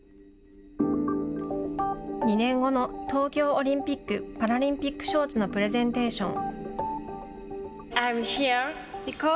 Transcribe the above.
２年後の東京オリンピック・パラリンピック招致のプレゼンテーション。